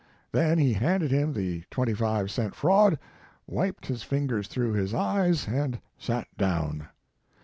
Then he handed him the twenty five cent frand, wiped his fingers through his eyes and sat down.